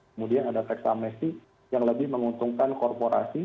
kemudian ada teks amnesty yang lebih menguntungkan korporasi